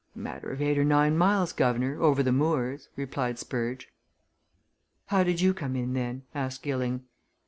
"Matter of eight or nine miles, guv'nor, over the moors," replied Spurge. "How did you come in then?" asked Gilling.